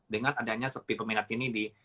dengan adanya sepi peminat ini